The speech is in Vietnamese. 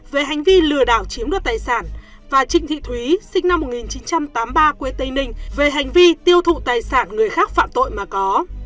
về hành vi lừa đảo chiếm đoạt tài sản và trịnh thị thúy sinh năm một nghìn chín trăm tám mươi ba quê tây ninh về hành vi tiêu thụ tài sản người khác phạm tội mà có